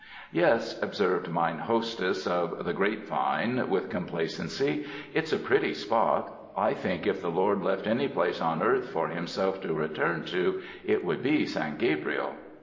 "Yes," observed mine hostess of "The Grape vine" with complacency, "it's a pretty spot. I think if the Lord left any place on earth for Him self to return to, it would be San Gabriel."